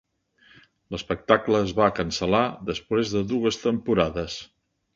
L'espectacle es va cancel·lar després de dues temporades.